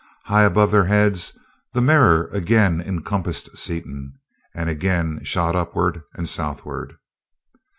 High above their heads the mirror again encompassed Seaton, and again shot upward and southward.